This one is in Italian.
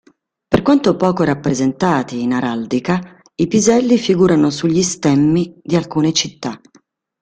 Per quanto poco rappresentati in araldica, i piselli figurano sugli stemmi di alcune città.